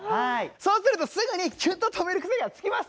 そうするとすぐにきゅっと止める癖がつきます。